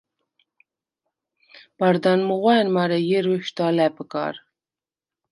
ბარდან მუღვა̄̈ნ, მარე ჲერვეშდ ალა̈ბ გარ.